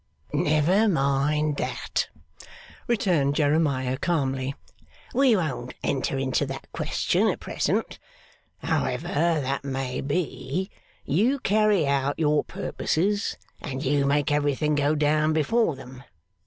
'Never mind that,' returned Jeremiah calmly, 'we won't enter into that question at present. However that may be, you carry out your purposes, and you make everything go down before them.